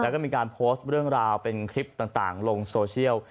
แล้วก็มีการโพสต์เรื่องราวเป็นคลิปต่างลงโซเชียล